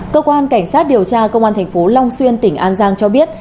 cơ quan cảnh sát điều tra công an thành phố long xuyên tỉnh an giang cho biết